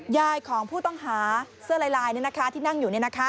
ยายของผู้ต้องหาเสื้อลายที่นั่งอยู่